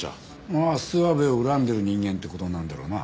まあ諏訪部を恨んでる人間って事になるんだろうな。